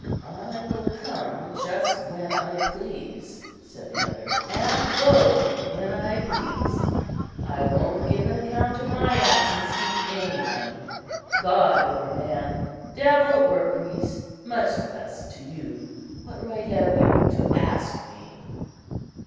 "I will come just when I please," said the other, "and go when I please. I won't give an account of my actions to any one, God or man, devil or priest, much less to you. What right have you to ask me?"